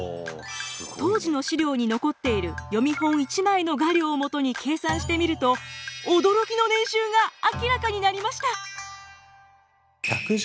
当時の資料に残っている読本一枚の画料をもとに計算してみると驚きの年収が明らかになりました。